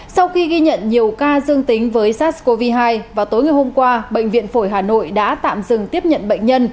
sau khi ghi nhận nhiều ca dương tính với sars cov hai vào tối ngày hôm qua bệnh viện phổi hà nội đã tạm dừng tiếp nhận bệnh nhân